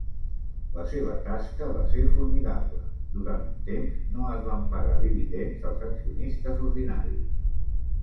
La seva tasca va ser formidable; durant un temps, no es van pagar dividends als accionistes ordinaris.